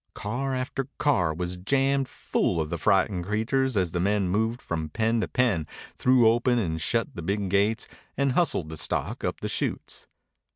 Car after car was jammed full of the frightened creatures as the men moved from pen to pen, threw open and shut the big gates, and hustled the stock up the chutes.